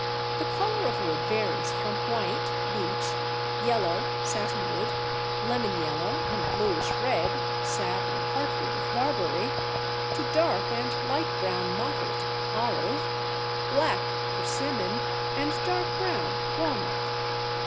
The colour of wood varies from white (Beech), yellow (Satinwood), lemon yellow and bluish red (sap and heartwood of Barberry), to dark and light brown mottled (Olive), black (Persimmon), and dark brown (Walnut).